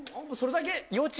それだけ？